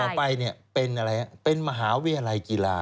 ต่อไปเนี่ยเป็นอะไรเป็นมหาวิทยาลัยกีฬา